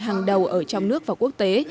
hàng đầu ở trong nước và quốc tế